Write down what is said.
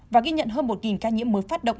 và ghi nhận hơn một ca nhiễm mới phát động